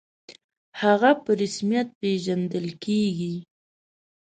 «هغه» په رسمیت پېژندل کېږي.